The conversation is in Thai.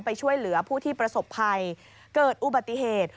ไปช่วยเหลือผู้ที่ประสบภัยเกิดอุบัติเหตุ